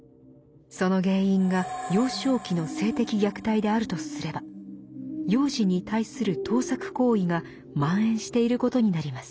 その原因が幼少期の性的虐待であるとすれば「幼児に対する倒錯行為」が蔓延していることになります。